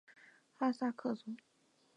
哈萨克族。